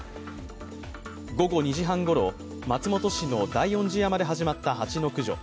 午後２時半ごろ、松本市の大音寺山で始まったハチの駆除。